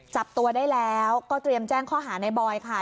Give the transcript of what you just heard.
จับตัวได้แล้วก็เตรียมแจ้งข้อหาในบอยค่ะ